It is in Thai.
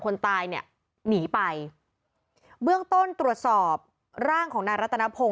คนตายเนี่ยหนีไปเบื้องต้นตรวจสอบร่างของนายรัตนพงศ